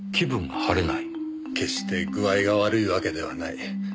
決して具合が悪いわけではない。